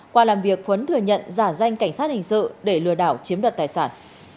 qua làm việc phuấn thừa nhận giả danh cảnh sát hình sự để lừa đảo chiếm đợt tài sản